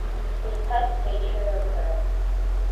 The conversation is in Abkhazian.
Еиҭа дцеит шәарыцара.